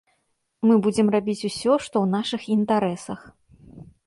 Мы будзем рабіць усё, што ў нашых інтарэсах.